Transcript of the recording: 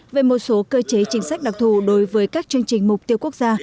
về một số cơ chế chính sách đặc thù đối với các chương trình mục tiêu quốc gia